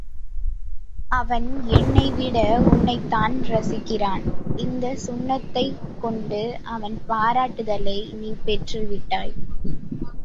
அவன் என்னைவிட உன்னைத்தான் ரசிக்கிறான் இந்தச் சுண்ணத்தைக் கொண்டு அவன் பாராட்டுதலை நீ பெற்றுவிட்டாய்.